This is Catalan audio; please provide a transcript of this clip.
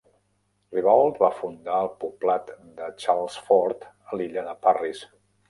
Ribault va fundar el poblat de Charlesfort a l'illa de Parris.